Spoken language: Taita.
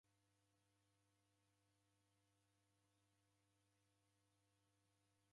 Hata kwa w'andu ighana naw'ekuw'ona oho kueka.